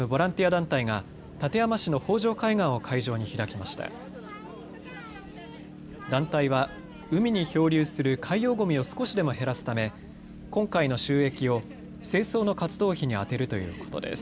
団体は海に漂流する海洋ごみを少しでも減らすため今回の収益を清掃の活動費に充てるということです。